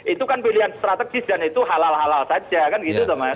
itu kan pilihan strategis dan itu halal halal saja kan gitu mas